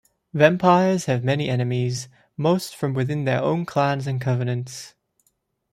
Vampires have many enemies, most from within their own clans and covenants.